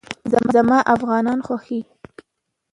زما افغانان خوښېږي